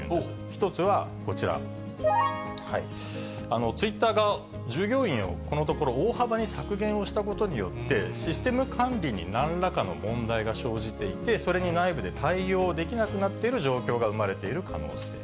１つはこちら、ツイッターが従業員をこのところ、大幅に削減したことによって、システム管理になんらかの問題が生じていて、それに内部で対応できなくなっている状況が生まれている可能性。